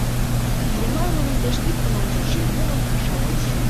Иллимар нуным пеш тӱткын ончыш, молым ышат уж.